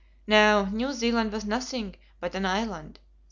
Now, New Zealand was nothing but an island.